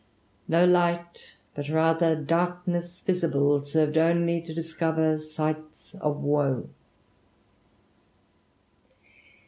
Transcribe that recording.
*' No light, but rather darkness visible, Serv'd only to discover sights of woe."